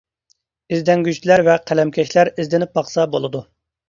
ئىزدەنگۈچىلەر ۋە قەلەمكەشلەر ئىزدىنىپ باقسا بولىدۇ.